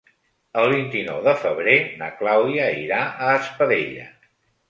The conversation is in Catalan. El vint-i-nou de febrer na Clàudia irà a Espadella.